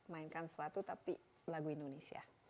mainkan suatu tapi lagu indonesia